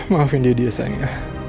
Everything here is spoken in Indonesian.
maafin dia desanya